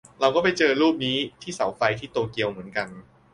เราก็ไปเจอรูปนี้ที่เสาไฟ ที่โตเกียวเหมือนกัน